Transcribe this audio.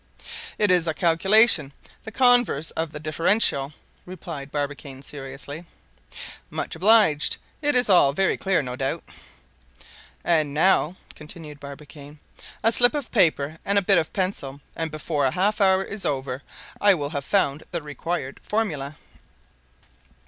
'" "It is a calculation the converse of the differential," replied Barbicane seriously. "Much obliged; it is all very clear, no doubt." "And now," continued Barbicane, "a slip of paper and a bit of pencil, and before a half hour is over I will have found the required formula."